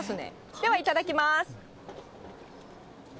ではいただきます。